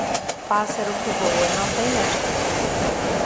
Pássaro que voa, não tem mestre.